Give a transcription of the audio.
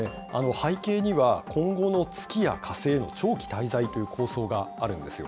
背景には、今後の月や火星への長期滞在というあるんですよ。